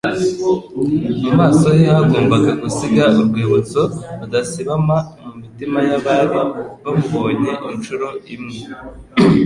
Mu maso he hagombaga gusiga urwibutso rudasibama mu mitima y'abari bamubonye inshuro imwe.